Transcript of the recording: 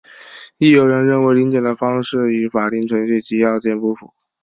亦有人认为临检的方式与法定程序及要件不符。